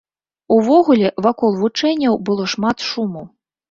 Увогуле, вакол вучэнняў было шмат шуму.